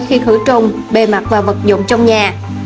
khi khử trùng bề mặt và vật dụng trong nhà